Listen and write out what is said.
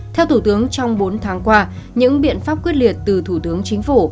theo thủ tướng trong bốn tháng qua những biện pháp quyết liệt từ thủ tướng chính phủ